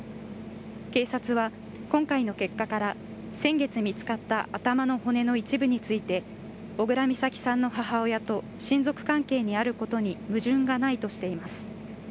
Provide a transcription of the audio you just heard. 警察は今回の結果から先月見つかった頭の骨の一部について小倉美咲さんの母親と親族関係にあることに矛盾がないとしています。